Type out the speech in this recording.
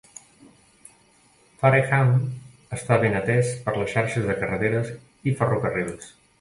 Fareham està ben atès per les xarxes de carreteres i ferrocarrils.